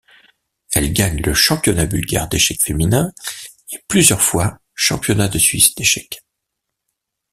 Elle gagne le championnat bulgare d'échecs féminin et plusieurs fois Championnat de Suisse d'échecs.